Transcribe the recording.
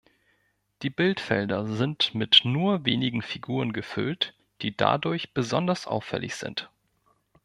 Die Bildfelder sind mit nur wenigen Figuren gefüllt, die dadurch besonders auffällig sind.